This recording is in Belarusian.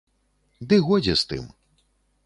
Ды годзе з тым.